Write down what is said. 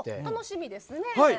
楽しみですね。